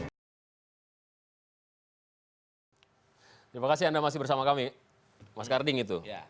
terima kasih anda masih bersama kami mas karding itu